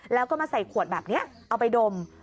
แล้วก็มาใส่ขวดแบบนี้เอาไปดม